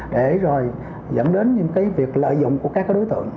để rồi dẫn đến những cái việc lợi dụng của các đối tượng